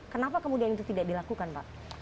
kenapa kemudian itu tidak dilakukan pak